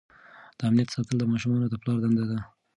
د امنیت ساتل د ماشومانو د پلار دنده ده.